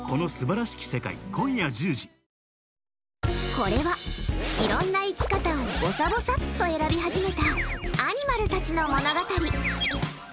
これは、いろんな生き方をぼさぼさっと選び始めたアニマルたちの物語。